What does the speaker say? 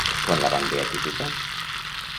Quan la van beatificar?